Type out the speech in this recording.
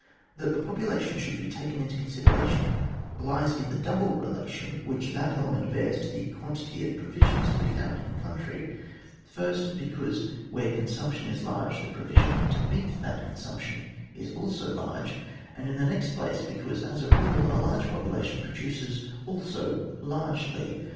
That the population should be taken into consideration, lies in the double relation which that element bears to the quantity of provisions to be found in a country : first because, where the consumption is large, the provision to meet that consumption is also large; and in the next place, because as a rule a large population produces also largely.